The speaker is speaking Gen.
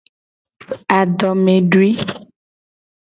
Adomedui.